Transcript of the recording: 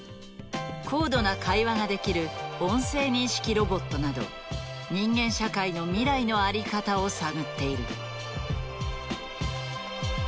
高度な会話ができる音声認識ロボットなど人間社会の未来の在り方を探っている。